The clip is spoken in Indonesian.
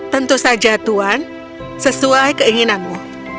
tentu saja tuhan sesuai keinginanmu